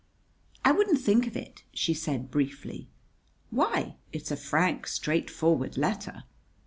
"I wouldn't think of it," she said briefly. "Why? It's a frank, straightforward letter."